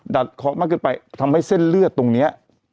เคาะมากเกินไปทำให้เส้นเลือดตรงนี้